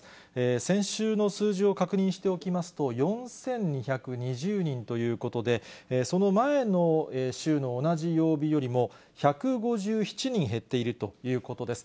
先週の数字を確認しておきますと、４２２０人ということで、その前の週の同じ曜日よりも、１５７人減っているということです。